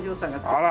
あら。